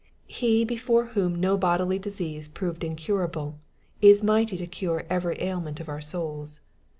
He before whom no bodily disease proved incurable, is mighty to cure every ailment of our souls.